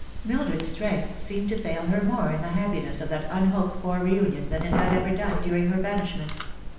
Mildred's strength seem to fail her more in the happiness of that unhoped for reunion than it had ever done during her banishment.